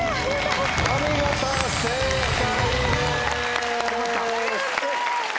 お見事正解です。